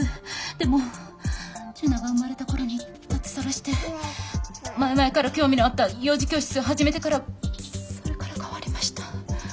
でも樹奈が生まれた頃に脱サラして前々から興味のあった幼児教室を始めてからそれから変わりました。